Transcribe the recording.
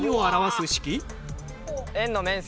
円の面積。